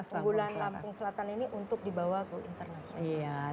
unggulan lampung selatan ini untuk dibawa ke internasional